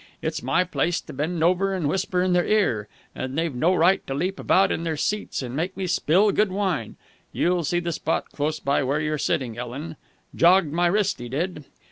It's my place to bend over and whisper in their ear, and they've no right to leap about in their seats and make me spill good wine. (You'll see the spot close by where you're sitting, Ellen. Jogged my wrist, he did!)